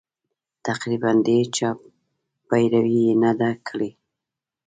تقریباً د هېچا پیروي یې نه ده کړې.